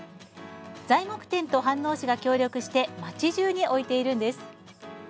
材木店と飯能市が協力して街じゅうに置いているんです。